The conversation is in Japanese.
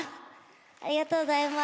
ありがとうございます。